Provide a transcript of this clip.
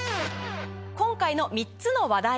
今回の３つの話題